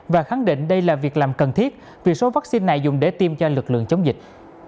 và khẳng định đây là việc làm cần thiết vì số vaccine này dùng để tiêm cho lực lượng chống dịch